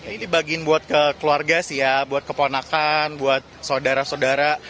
ini dibagiin buat ke keluarga sih ya buat keponakan buat saudara saudara